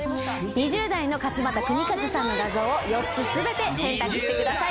２０代の勝俣州和さんの画像を４つ全て選択してください。